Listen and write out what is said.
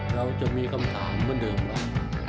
เราจะมีคำถามเมื่อเดิมแล้ว